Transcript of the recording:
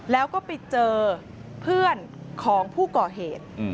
แล้วก็ไปเจอเพื่อนของผู้ก่อเหตุ